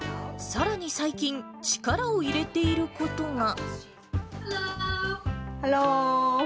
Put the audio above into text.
さらに最近、力を入れていることが。